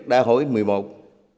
đại hội một mươi hai sẽ đi sâu kiểm điểm